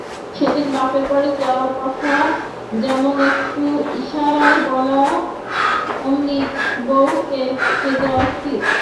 সেদিন বাপের বাড়ি যাবার কথা যেমন একটু ইশারায় বলা অমনি বউ কেঁদে অস্থির।